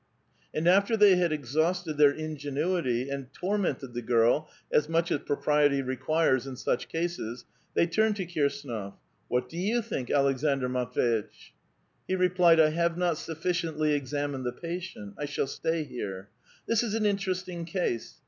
And after they had exhausted their ingenuity and tormented the girl as much as propriety requires in such cases, they turned to Kir sAnof, " What do you think, Aleksandr Matv^itch?" He replied, " I have not sufficiently examined the patient. I shall stay here. This is an interesting: case.